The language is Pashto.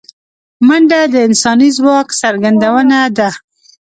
منډه د انساني ځواک څرګندونه ده